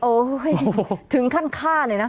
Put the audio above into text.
โอ้โหถึงขั้นฆ่าเลยนะ